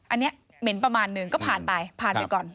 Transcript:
อันนี้เหม็นประมาณหนึ่งก็ผ่านไปผ่านไปก่อน